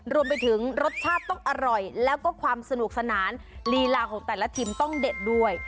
รวมไปถึงรสชาติต้องอร่อยแล้วก็ความสนุกสนานลีลาของแต่ละทีมต้องเด็ดด้วย